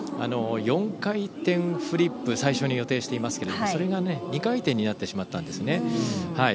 ４回転フリップを最初に予定していますがそれが２回転になってしまったんですね。